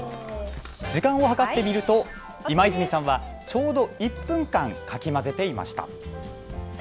時間を計ってみると今泉さんはちょうど１分間、かき混ぜていました。